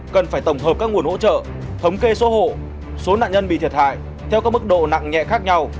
cần phải tổng hợp các nguồn hỗ trợ thống kê số hộ số nạn nhân bị thiệt hại theo các mức độ nặng nhẹ khác nhau